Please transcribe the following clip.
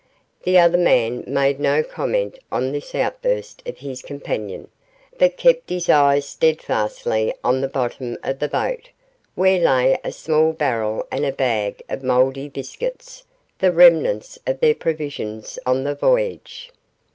The other man made no comment on this outburst of his companion, but kept his eyes steadfastly on the bottom of the boat, where lay a small barrel and a bag of mouldy biscuits, the remnants of their provisions on the voyage.